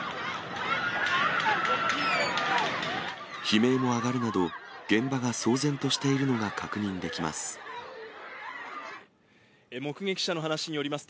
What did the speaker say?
悲鳴も上がるなど、現場が騒然としているのが確認できます。